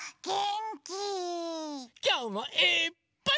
きょうもいっぱい。